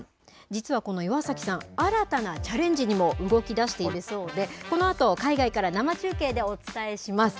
実はこの岩崎さん、新たなチャレンジにも動きだしているそうで、このあと海外から生中継でお伝えします。